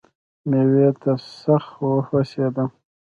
مېوې ته سخت وهوسېدم .